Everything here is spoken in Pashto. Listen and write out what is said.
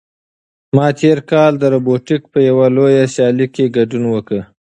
ما تېر کال د روبوټیک په یوه لویه سیالۍ کې ګډون وکړ.